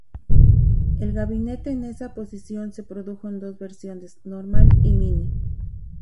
El gabinete en esa posición se produjo en dos versiones: Normal y Mini.